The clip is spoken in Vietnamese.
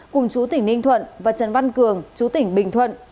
cùng chú tỉnh ninh thuận và trần văn cường chú tỉnh bình thuận